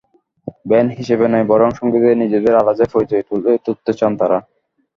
Band হিসেবে নয়, বরং সংগীতে নিজেদের আলাদা পরিচয় তুলে ধরতে চান তাঁরা।